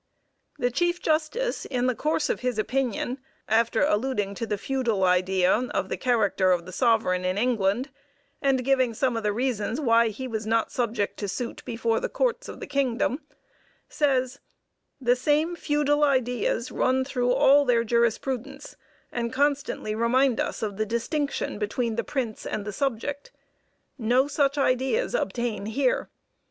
The Chief Justice, in the course of his opinion, after alluding to the feudal idea of the character of the sovereign in England, and giving some of the reasons why he was not subject to suit before the courts of the kingdom, says: "The same feudal ideas run through all their jurisprudence, and constantly remind us of the distinction between the prince and the subject. No such ideas obtain here.